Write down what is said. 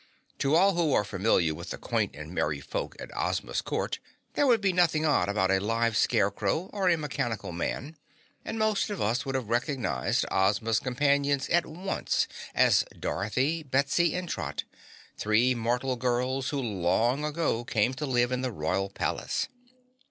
To all who are familiar with the quaint and merry folk at Ozma's court, there would be nothing odd about a live scarecrow or a mechanical man, and most of us would have recognized Ozma's companions at once as Dorothy, Betsy and Trot, three mortal girls who long ago came to live in the royal palace.